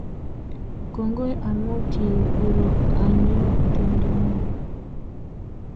Kongoi amu kiikuro anyo tumdo ngun